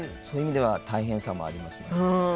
そういう意味では大変さもありますね。